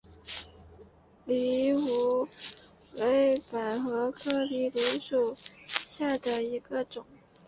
藜芦为百合科藜芦属下的一个种。